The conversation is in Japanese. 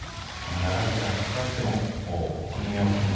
長い時間がかかってもクリミアを含む